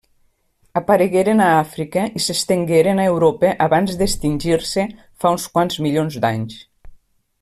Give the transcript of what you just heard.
Aparegueren a Àfrica i s'estengueren a Europa abans d'extingir-se fa uns quants milions d'anys.